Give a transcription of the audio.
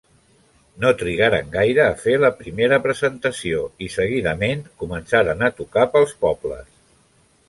No trigaren gaire a fer la primera presentació i seguidament començaren a tocar pels pobles.